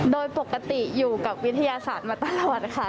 โดยปกติอยู่กับวิทยาศาสตร์มาตลอดค่ะ